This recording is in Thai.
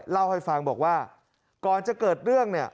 เล่าให้ฟังบอกว่าก่อนจะเกิดเรื่องเนี่ย